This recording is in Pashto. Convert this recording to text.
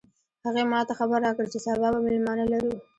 هغې ما ته خبر راکړ چې سبا به مېلمانه لرو